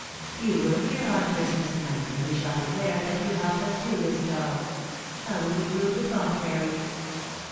You were here on Christmas night, and we shall declare that you helped us to do this job. How will you prove the contrary?"